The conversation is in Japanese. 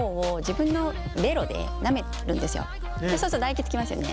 そうすると唾液つきますよね。